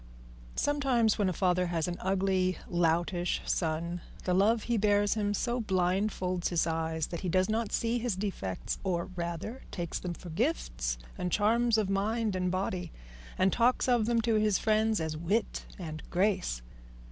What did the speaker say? Sometimes when a father has an ugly, loutish son, the love he bears him so blindfolds his eyes that he does not see his defects, or, rather, takes them for gifts and charms of mind and body, and talks of them to his friends as wit and grace.